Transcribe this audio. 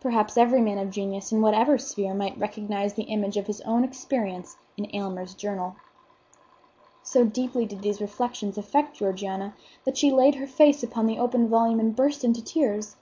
Perhaps every man of genius in whatever sphere might recognize the image of his own experience in Aylmer's journal. So deeply did these reflections affect Georgiana that she laid her face upon the open volume and burst into tears.